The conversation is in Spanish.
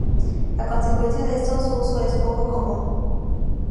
A consecuencia de esto su uso es poco común.